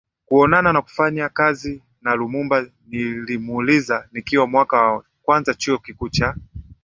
kuonana na kufanya kazi na Lumumba Nilimwuliza nikiwa mwaka wa kwanza Chuo Kikuu cha